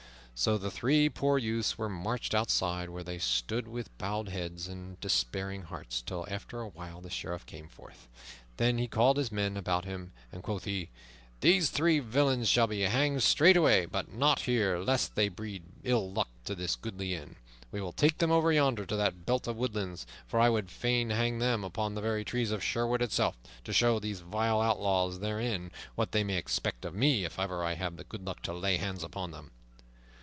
So the three poor youths were marched outside, where they stood with bowed heads and despairing hearts, till after a while the Sheriff came forth. Then he called his men about him, and quoth he, "These three villains shall be hanged straightway, but not here, lest they breed ill luck to this goodly inn. We will take them over yonder to that belt of woodlands, for I would fain hang them upon the very trees of Sherwood itself, to show those vile outlaws therein what they may expect of me if I ever have the good luck to lay hands upon them."